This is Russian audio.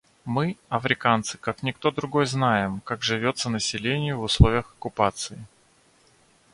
Мы, африканцы, как никто другой знаем, как живется населению в условиях оккупации.